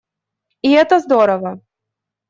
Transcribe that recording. И это здорово.